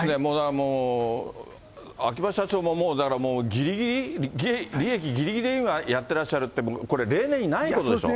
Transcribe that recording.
もう秋葉社長もだからもう、ぎりぎり、利益ぎりぎりでやってらっしゃるって、これ、例年にないことでしょう。